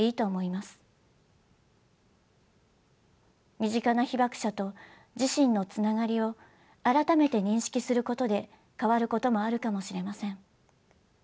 身近な被爆者と自身のつながりを改めて認識することで変わることもあるかもしれません。